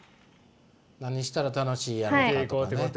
何したら楽しいやろかとかね。